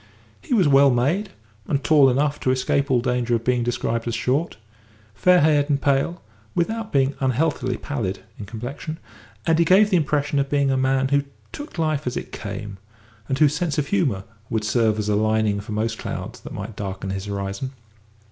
He was well made, and tall enough to escape all danger of being described as short; fair haired and pale, without being unhealthily pallid, in complexion, and he gave the impression of being a man who took life as it came, and whose sense of humour would serve as a lining for most clouds that might darken his horizon.